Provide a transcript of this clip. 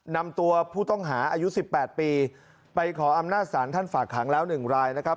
นำตัวผู้ต้องหาอายุ๑๘ปีไปขออำนาจศาลท่านฝากขังแล้ว๑รายนะครับ